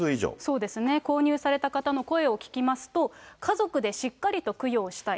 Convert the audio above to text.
そうですね、購入された方の声を聞きますと、家族でしっかりと供養したい。